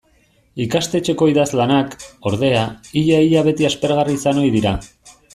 Ikastetxeko idazlanak, ordea, ia-ia beti aspergarri izan ohi dira.